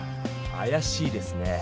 あやしいですね。